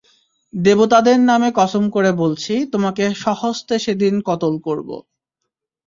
দেবতাদের নামে কসম করে বলছি, তোমাকে স্বহস্তে সেদিন কতল করব।